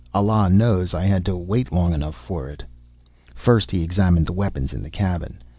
"Allah knows I had to wait long enough for it!" First he examined the weapons in the cabin.